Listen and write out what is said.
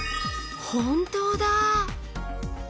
本当だぁ！